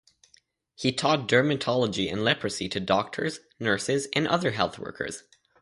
He taught dermatology and leprosy to doctors, nurses, and other health workers.